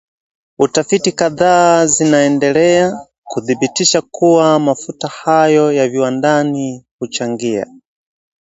Tafiti kadhaa zinaendelea kuthibitisha kuwa mafuta hayo ya viwandani huchangia